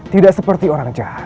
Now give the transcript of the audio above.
tidak seperti orang jahat